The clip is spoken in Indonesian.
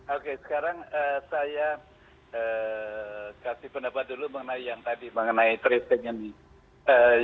oke sekarang saya kasih pendapat dulu mengenai tracing ini